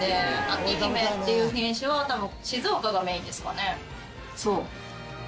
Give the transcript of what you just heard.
あきひめっていう品種は多分静岡がメインですかね。